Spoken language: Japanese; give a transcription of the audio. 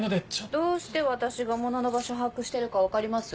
どうして私が物の場所把握してるか分かります？